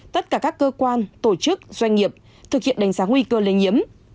tất cả các cơ quan tổ chức doanh nghiệp thực hiện đánh giá nguy cơ lây nhiễm